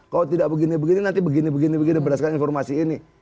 kalau tidak begini begini nanti begini begini berdasarkan informasi ini